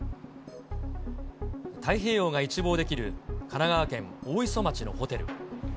太平洋が一望できる神奈川県大磯町のホテル。